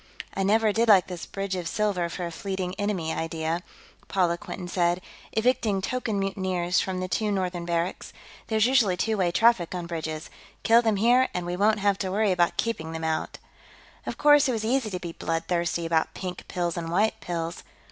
"I never did like this bridge of silver for a fleeing enemy idea," Paula Quinton said, evicting token mutineers from the two northern barracks. "There's usually two way traffic on bridges. Kill them here and we won't have to worry about keeping them out." Of course, it was easy to be bloodthirsty about pink pills and white pills.